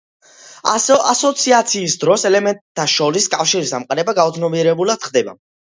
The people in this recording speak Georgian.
ასოციაციის დროს ელემენტთა შორის კავშირის დამყარება გაუცნობიერებლად ხდება.